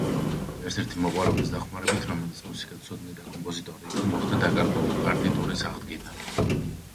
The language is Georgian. ერთ-ერთი მოყვარულის დახმარებით, რომელიც მუსიკათმცოდნე და კომპოზიტორი იყო, მოხდა დაკარგული პარტიტურის აღდგენა.